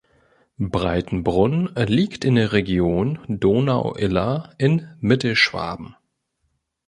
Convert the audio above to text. Breitenbrunn liegt in der Region Donau-Iller in Mittelschwaben.